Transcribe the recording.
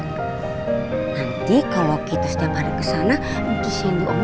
mungkin shandy akan melintas sama oma